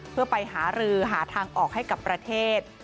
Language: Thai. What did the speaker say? เพื่อไปหารือหาทางออกให้กับประเทศ